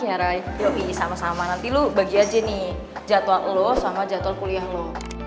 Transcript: ya ray yoi sama sama nanti lu bagi aja nih jadwal lu sama jadwal kuliah lu